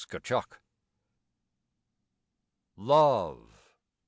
LOVE.